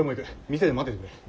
店で待っててくれ。